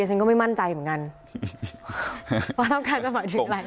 แต่ฉันก็ไม่มั่นใจเหมือนกันว่าต้องการสมัครอยู่ไหน